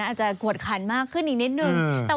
อาจจะกวดขันมากขึ้นอีกนิดนึง